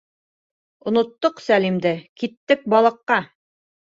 — Оноттоҡ Сәлимде, киттек балыҡҡа!